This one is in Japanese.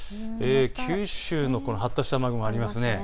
九州の発達した雨雲ありますね。